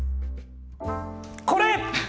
これ！